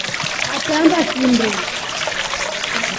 Atemba kindo.